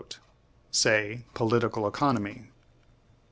SAY: POLITICAL ECONOMY.